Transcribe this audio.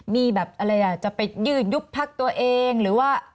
มีแบบอะไรอ่ะจะไปยื่นยุบพักตัวเองหรือว่า